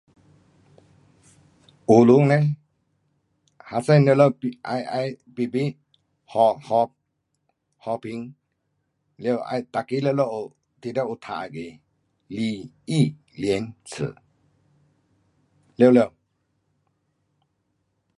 普通嘞。学生全部要，要排排学和平。了要每个全部学全部有读的：礼，仪，亷，耻。全部。